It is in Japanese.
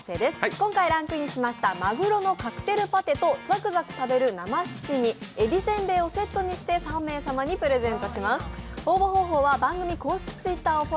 今回ランクインしましたまぐろのカクテルパテとザクザク食べる生七味えびせんべいをセットにして３名様にプレゼントします。